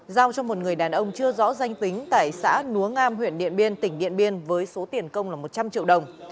giao cho một người đàn ông chưa rõ danh tính tại xã núa ngam huyện điện biên tỉnh điện biên với số tiền công là một trăm linh triệu đồng